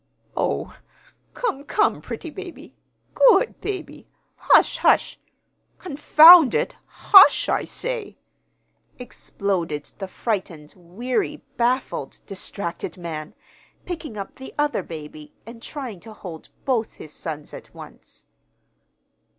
"Oh, come, come, pretty baby, good baby, hush, hush confound it, HUSH, I say!" exploded the frightened, weary, baffled, distracted man, picking up the other baby, and trying to hold both his sons at once.